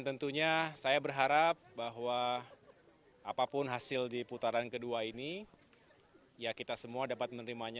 tentunya saya berharap bahwa apapun hasil di putaran kedua ini ya kita semua dapat menerimanya